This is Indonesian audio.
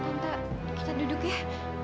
tante kita duduk ya